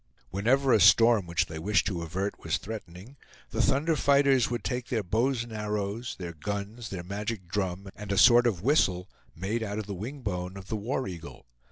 Whenever a storm which they wished to avert was threatening, the thunder fighters would take their bows and arrows, their guns, their magic drum, and a sort of whistle, made out of the wingbone of the war eagle.